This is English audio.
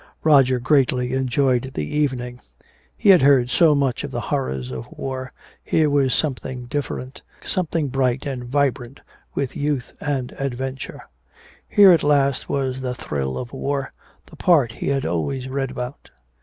Roger greatly enjoyed the evening. He had heard so much of the horrors of war. Here was something different, something bright and vibrant with youth and adventure! Here at last was the thrill of war, the part he had always read about!